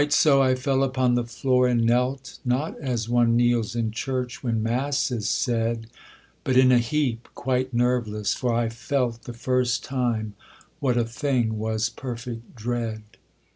Right so I fell upon the floor and knelt, Not as one kneels in church when mass is said, But in a heap, quite nerveless, for I felt The first time what a thing was perfect dread.